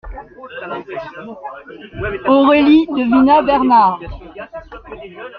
«Aurélie !» devina Bernard.